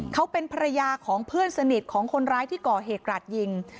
เขาเป็นภรรยาของเพื่อนสนิทของคนร้ายที่ก่อเหตุกราดยิง